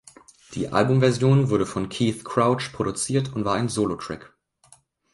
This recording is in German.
Die Albumversion wurde von Keith Crouch produziert und war ein Solo-Track.